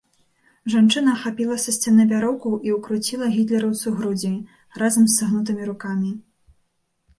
Жанчына хапіла са сцяны вяроўку і ўкруціла гітлераўцу грудзі, разам з сагнутымі рукамі.